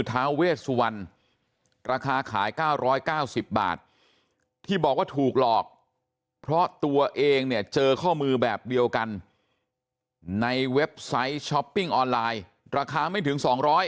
ท้าเวสวรรณราคาขาย๙๙๐บาทที่บอกว่าถูกหลอกเพราะตัวเองเนี่ยเจอข้อมือแบบเดียวกันในเว็บไซต์ช้อปปิ้งออนไลน์ราคาไม่ถึง๒๐๐